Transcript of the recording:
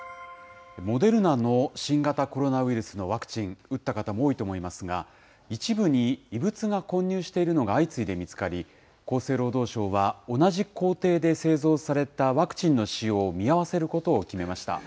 モデルナの新型コロナウイルスのワクチン、打った方も多いと思いますが、一部に異物が混入しているのが相次いで見つかり、厚生労働省は、同じ工程で製造されたワクチンの使用を見合わせることを決めました。